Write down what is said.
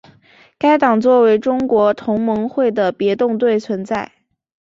该党作为中国同盟会的别动队存在。